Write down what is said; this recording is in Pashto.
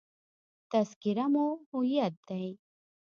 تذکره مو هویت دی.